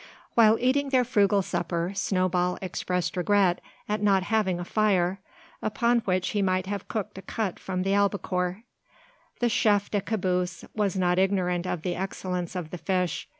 While eating their frugal supper, Snowball expressed regret at not having a fire, upon which he might have cooked a cut from the albacore. The chef de caboose was not ignorant of the excellence of the fish.